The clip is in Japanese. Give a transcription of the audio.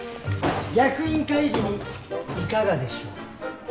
役員会議にいかがでしょう？